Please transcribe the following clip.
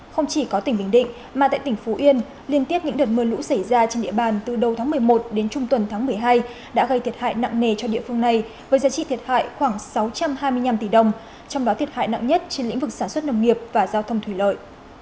không chỉ có tỉnh bình định mà tại tỉnh phú yên liên tiếp những đợt mưa lũ xảy ra trên địa bàn từ đầu tháng một mươi một đến trung tuần tháng một mươi hai đã gây thiệt hại nặng nề cho địa phương này với giá trị thiệt hại khoảng sáu trăm hai mươi năm tỷ đồng trong đó thiệt hại nặng nhất trên lĩnh vực sản xuất nông nghiệp và giao thông thủy lợi